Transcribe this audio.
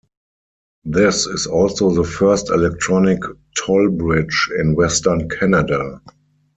This is also the first electronic toll bridge in Western Canada.